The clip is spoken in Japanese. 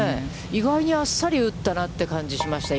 意外にあっさり打ったな、という感じがしました、